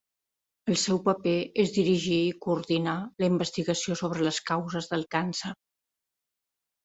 El seu paper és dirigir i coordinar la investigació sobre les causes del càncer.